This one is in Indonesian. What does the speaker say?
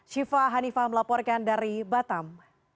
syifa hanifah melaporkan dari batam